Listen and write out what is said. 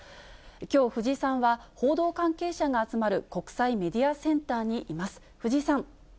きょう、藤井さんは報道関係者が集まる国際メディアセンターにいます。